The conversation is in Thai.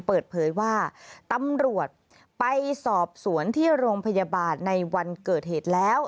เปิดเผยว่าตำรวจไปสอบสวนที่โรงพยาบาลในวันเกิดเหตุแล้ว